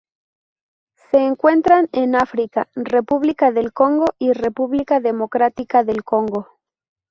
Se encuentran en África: República del Congo y República Democrática del Congo.